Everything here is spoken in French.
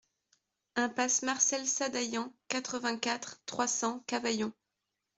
Impasse Marcel Sadaillan, quatre-vingt-quatre, trois cents Cavaillon